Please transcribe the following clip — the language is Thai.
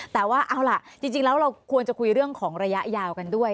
แต่ว่าเอาล่ะจริงแล้วเราควรจะคุยเรื่องของระยะยาวกันด้วย